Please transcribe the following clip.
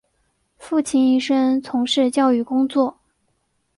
父亲一生从事教育工作。